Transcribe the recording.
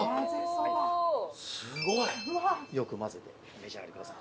すごい。よく混ぜてお召し上がりください。